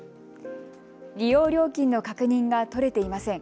利用料金の確認が取れていません。